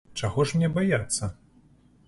Чаго ж мне баяцца?